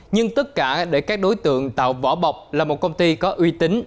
nhưng tất cả để các đối tượng tạo vỏ bọc là một công ty có uy tín